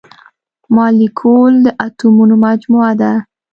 مالیکول د اتومونو مجموعه ده.